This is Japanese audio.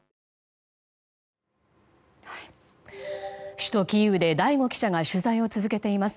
首都キーウで醍醐記者が取材を続けています。